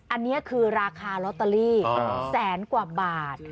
อันนี้คือราคาลอตเตอรี่แสนกว่าบาท